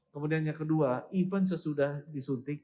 kemudian yang kedua even sesudah disuntik